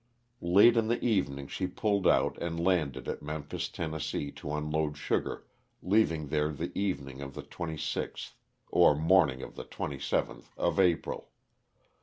Late in the evening she pulled out and landed at Memphis, Tenn., to unload sugar, leaving there the evening of the 26th, or morning of the 27th of April.